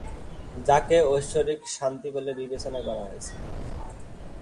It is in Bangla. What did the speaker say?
যাকে ঐশ্বরিক শাস্তি বলে বিবেচনা করা হয়েছে।